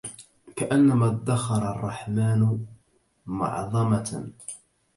كأنما ادخر الرحمن معظمة